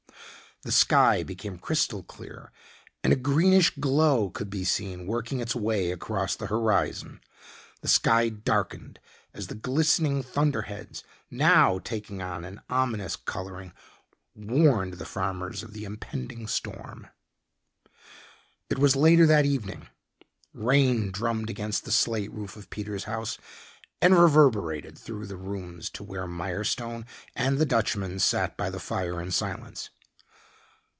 The sky became crystal clear, and a greenish glow could be seen working its way across the horizon. The sky darkened as the glistening thunderheads now taking on an ominous coloring warned the farmers of the impending storm. It was later that evening. Rain drummed against the slate roof of Peter's house and reverberated through the rooms to where Mirestone and the Dutchman sat by the fire in silence.